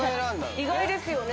意外ですよね。